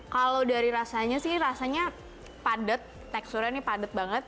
kalau dari rasanya sih rasanya padat teksturnya ini padat banget